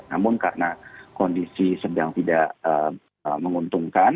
namun karena kondisi sedang tidak menguntungkan